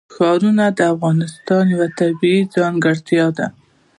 ښارونه د افغانستان یوه طبیعي ځانګړتیا ده.